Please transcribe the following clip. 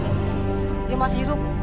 belum mati iya masih hidup